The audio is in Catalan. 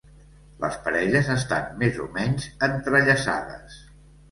Les parelles estan més o menys entrellaçades.